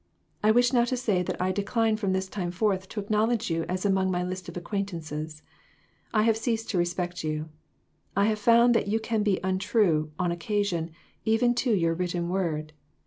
I wish now to say that I decline from this time forth to acknowledge you as among my list of acquaintances. I have ceased to respect you. I have found that you can be untrue, on occasion, to even your written word.